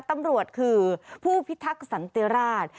ตำรวจคือผู้พิทักษ์สันติราช